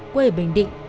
quê bình định